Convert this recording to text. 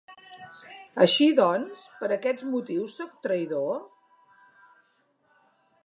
Així doncs, per aquests motius sóc traïdor?